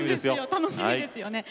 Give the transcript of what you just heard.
楽しみですよね。